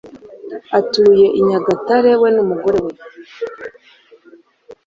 atuye i nyagatare we n’umugore we.